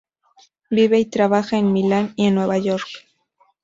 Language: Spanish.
Vive y trabaja en Milán y en Nueva York